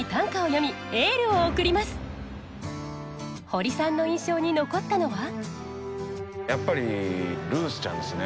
ホリさんの印象に残ったのは。